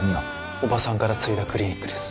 叔母さんから継いだクリニックです。